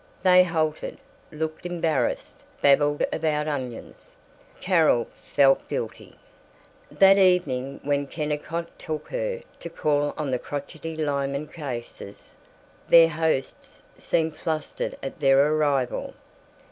They halted, looked embarrassed, babbled about onions. Carol felt guilty. That evening when Kennicott took her to call on the crochety Lyman Casses, their hosts seemed flustered at their arrival.